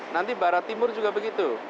nanti barat timur juga begitu